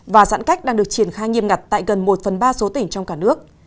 và giãn cách đang được triển khai nghiêm ngặt tại gần một phần ba số tỉnh trong cả nước